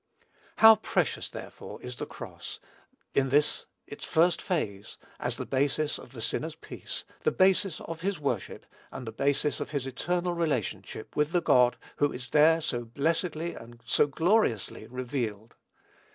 How precious, therefore, is the cross, in this its first phase, as the basis of the sinner's peace, the basis of his worship, and the basis of his eternal relationship with the God who is there so blessedly and so gloriously revealed!